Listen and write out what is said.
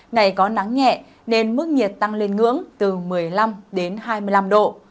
ngày có nắng nhẹ nên mức nhiệt tăng lên ngưỡng từ một mươi năm đến hai mươi năm độ